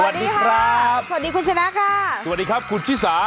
สวัสดีครับสวัสดีคุณชนะค่ะสวัสดีครับคุณชิสา